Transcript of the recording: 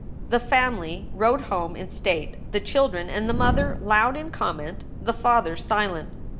The family rode home in state, the children and the mother loud in comment, the father silent.